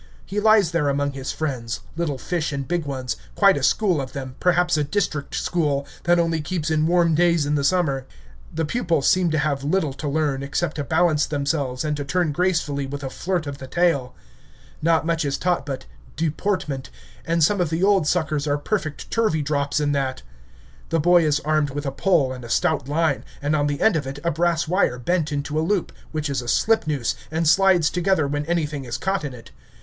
He lies there among his friends, little fish and big ones, quite a school of them, perhaps a district school, that only keeps in warm days in the summer. The pupils seem to have little to learn, except to balance themselves and to turn gracefully with a flirt of the tail. Not much is taught but "deportment," and some of the old suckers are perfect Turveydrops in that. The boy is armed with a pole and a stout line, and on the end of it a brass wire bent into a hoop, which is a slipnoose, and slides together when anything is caught in it.